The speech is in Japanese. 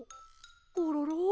コロロ？